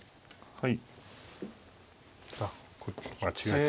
はい。